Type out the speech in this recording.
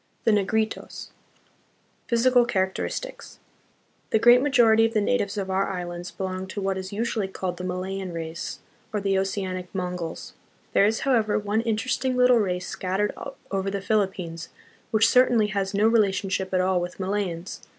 The Negritos. Physical Characteristics. The great majority of the natives of our islands belong to what is usually called the Malayan race, or the Oceanic Mongols. There is, however, one interesting little race scattered over the Philippines, which certainly has no relationship at all with Malayans.